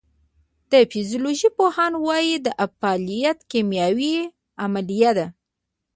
د فزیولوژۍ پوهان وایی دا فعالیت کیمیاوي عملیه ده